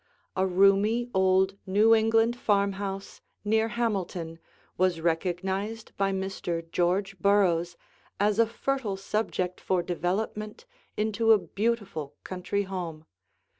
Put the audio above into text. A roomy, old, New England farmhouse near Hamilton was recognized by Mr. George Burroughs as a fertile subject for development into a beautiful country home.